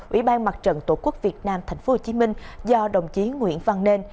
ủy ban mặt trận tổ quốc việt nam tp hcm do đồng chí nguyễn văn nên